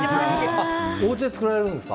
おうちで作るんですか。